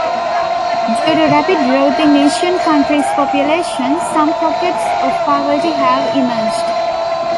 Due to rapid growth in Asian countries' populations, some pockets of poverty have emerged.